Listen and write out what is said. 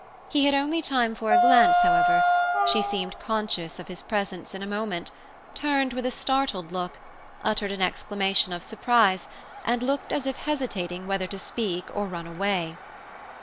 He had only time for a glance, however; she seemed conscious of his presence in a moment, turned with a startled look, uttered an exclamation of surprise, and looked as if hesitating whether to speak or run away.